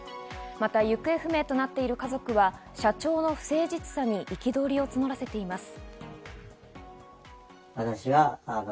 また行方不明となっている家族は社長の不誠実さに憤りを募らせています。